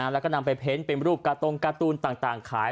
แล้วก็นำไปเพ้นเป็นรูปกาตรงการ์ตูนต่างขาย